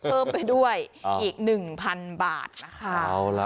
เพิ่มไปด้วยอีกหนึ่งพันบาทนะคะเอาล่ะ